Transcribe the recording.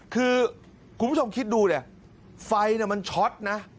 คือคุณผู้ชมคิดดูเนี่ยไฟเนี่ยมันช็อตนะ